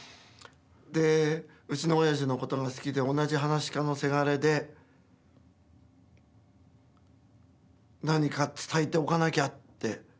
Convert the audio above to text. でうちの親父のことが好きで同じ噺家のせがれで何か伝えておかなきゃって。